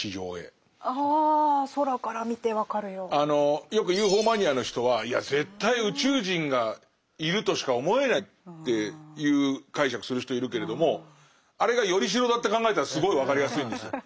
よくＵＦＯマニアの人はいや絶対宇宙人がいるとしか思えないっていう解釈する人いるけれどもあれが依代だって考えたらすごい分かりやすいんですよ。